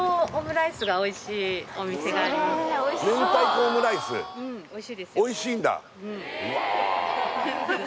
明太子オムライスおいしいんだ